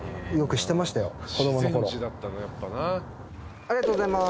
ありがとうございます。